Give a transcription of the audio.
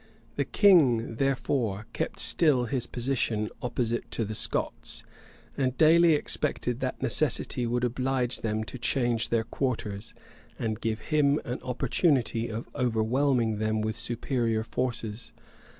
The king, therefore, kept still his position opposite to the Scots; and daily expected that necessity would oblige them to change their quarters, and give him an opportunity of overwhelming them with superior forces.